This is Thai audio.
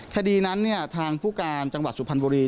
คดีนั้นทางผู้การจังหวัดสุพรรณบุรี